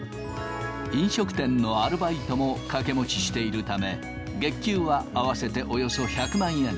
飲食店のアルバイトも掛け持ちしているため、月給は合わせておよそ１００万円。